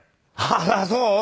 あっそう？